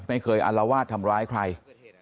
ไม่เคยอัลลวาดทำร้ายใคร